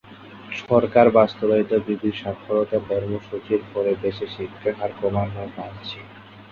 সরকার বাস্তবায়িত বিবিধ সাক্ষরতা কর্মসূচীর ফলে দেশে শিক্ষার হার ক্রমান্বয়ে বাড়ছে।